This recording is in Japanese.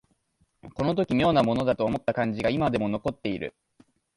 この時妙なものだと思った感じが今でも残っている